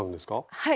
はい。